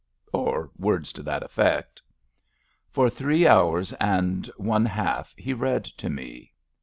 P.,'' or words to that effect For three hours and one half he read to me.